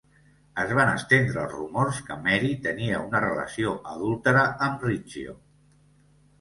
Es van estendre els rumors que Mary tenia una relació adúltera amb Rizzio.